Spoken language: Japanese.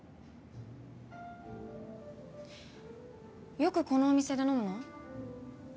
よくこのお店で飲むの？